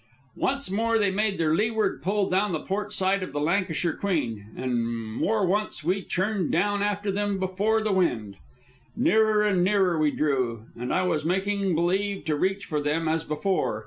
Once more they made their leeward pull down the port side of the Lancashire Queen, and more once we churned down after them before the wind. Nearer and nearer we drew, and I was making believe to reach for them as before.